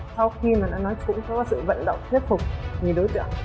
sau khi mà nó nói chủng có sự vận động thuyết phục người đối tượng